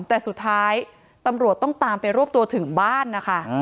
แต่สุดท้ายตำรวจต้องตามไปรวบตัวถึงบ้านนะคะ